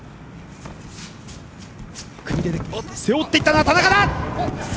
背負っていったのは田中！